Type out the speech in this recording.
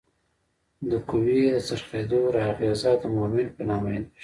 د قوې د څرخیدو اغیزه د مومنټ په نامه یادیږي.